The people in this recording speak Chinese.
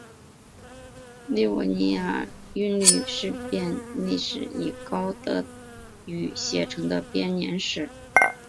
利沃尼亚韵律诗编年史是以高地德语写成的编年史。